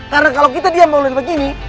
karena kalau kita diam maka udah begini